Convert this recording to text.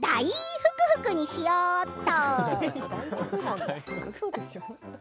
ふくふくにしようっと。